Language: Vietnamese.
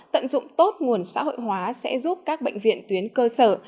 tận dụng tốt nguồn xã hội hóa sẽ giúp các bệnh viện tuyến cơ sở